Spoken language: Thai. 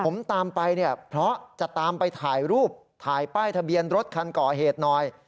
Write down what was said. ผมตามไปเนี่ยเพราะจะตามไปถ่ายรูปถ่ายป้ายทะเบียนรถคันก่อเหตุหน่อย